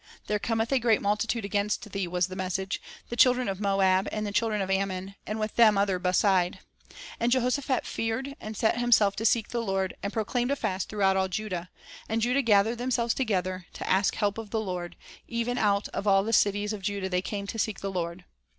"There cometh a great multitude against thee," was the message, "the children of Moab, and the children of Amnion, and with them other beside." "And Jehosha phat feared, and set himself to seek the Lord, and proclaimed a fast throughout all Judah. And Judah gathered themselves together, to ask help of the Lord; even out of all the cities of Judah they came to seek the ■ Lord."